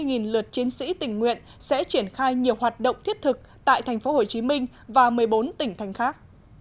hơn sáu mươi lượt chiến sĩ tình nguyện sẽ triển khai nhiều hoạt động thiết thực tại tp hcm và một mươi bốn tỉnh thành khác